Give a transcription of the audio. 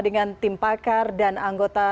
dengan tim pakar dan anggota